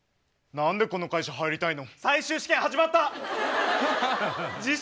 何でこの会社入りたいの？